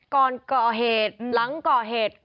ก่อนก่อเหตุหลังก่อเหตุ